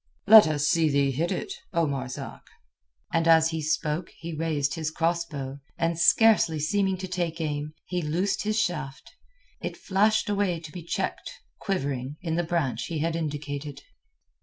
"Let us see thee hit it, O Marzak." And as he spoke he raised his cross bow, and scarcely seeming to take aim, he loosed his shaft. It flashed away to be checked, quivering, in the branch he had indicated.